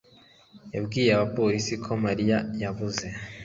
yabwiye abapolisi ko Mariya yabuze.